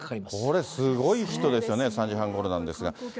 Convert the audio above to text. これ、すごい人ですよね、３時半ごろなんですが。